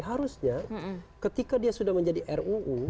harusnya ketika dia sudah menjadi ruu